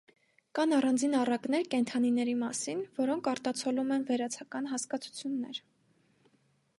Կան առանձին առակներ կենդանիների մասին, որոնք արտացոլում են վերացական հասկացություններ։